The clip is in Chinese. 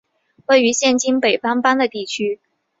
位于现今北方邦的地区。